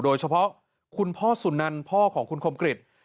โดยเฉพาะคุณพ่อสุนันพ่อของคุณคมกริจ